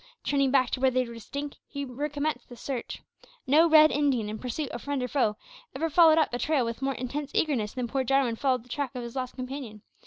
Turning back to where they were distinct, he recommenced the search. No red Indian, in pursuit of friend or foe, ever followed up a trail with more intense eagerness than poor Jarwin followed the track of his lost companion.